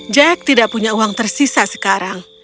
jack tidak punya uang tersisa sekarang